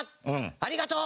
「ありがとう！」